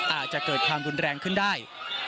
อาจจะเกิดความรุนแรงขึ้นได้